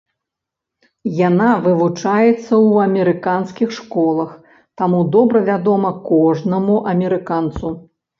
Яна вывучаецца ў амерыканскіх школах, таму добра вядома кожнаму амерыканцу.